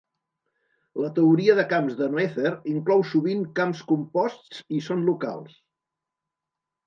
La teoria de camps de Noether inclou sovint camps composts i són locals.